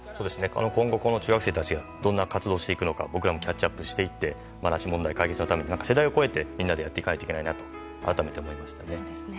今後この中学生たちがどんな活動をしていくのか僕らもキャッチアップしていって拉致問題解決のために世代を超えてみんなでやっていかないといけないなと思いました。